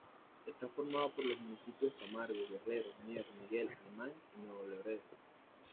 Está formado por los municipios de Camargo, Guerrero, Mier, Miguel Alemán y Nuevo Laredo.